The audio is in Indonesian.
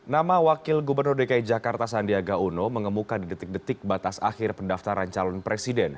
nama wakil gubernur dki jakarta sandiaga uno mengemuka di detik detik batas akhir pendaftaran calon presiden